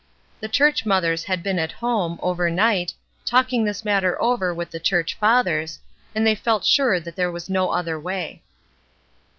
The church mothers had been at home, over night, talking this matter over with the church fathers, and they felt sure that there was no other way.